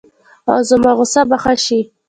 ایا زما غوسه به ښه شي؟